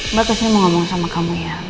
mbak terusnya mau ngomong sama kamu ya